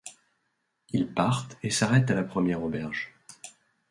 Ils partent et s’arrêtent à la première auberge.